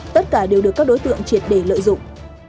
tất cả đều được các đối tượng triệt để lợi dụng